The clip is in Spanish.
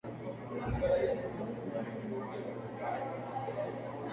En Bucarest se han celebrado varios campeonatos nacionales de gimnasia y atletismo.